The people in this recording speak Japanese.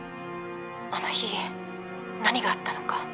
あの日何があったのか。